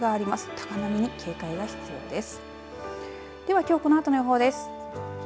高波に警戒が必要です。